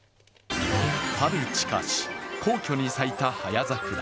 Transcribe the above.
春近し皇居に咲いた早桜。